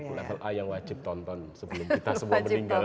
yang a yang wajib tonton sebelum kita semua meninggal